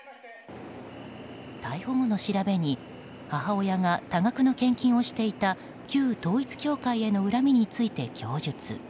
逮捕後の調べに母親が多額の献金をしていた旧統一教会への恨みについて供述。